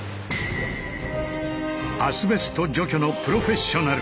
アスベスト除去のプロフェッショナル！